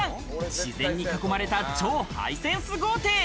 自然に囲まれた超ハイセンス豪邸。